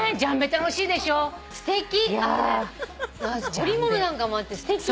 織物なんかもあってすてき。